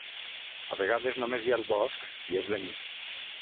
A vegades, només hi ha el bosc i és de nit.